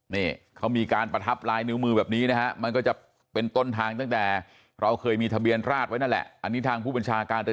นี่เขามีการประทับลายนิ้วมือแบบนี้นะฮะมันก็จะเป็นต้นทางตั้งแต่เราเคยมีทะเบียนราชไว้นั่นแหละอันนี้ทางผู้บัญชาการ